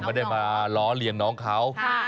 ไม่ได้มาล้อเลียนน้องเขา